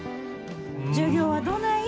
授業はどない？